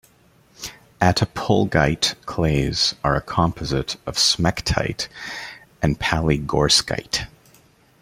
Attapulgite clays are a composite of smectite and palygorskite.